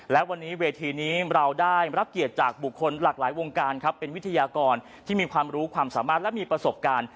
และวันนี้เวทีนี้เราได้รับเกียรติจากบุคคลหลากหลายวงการครับเป็นวิทยากรที่มีความรู้ความสามารถและมีประสบการณ์